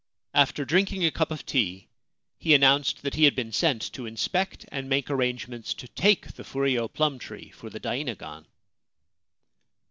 After drinking a cup of tea, he announced that he had been sent to inspect and make arrangements to take the furyo plum tree for the dainagon.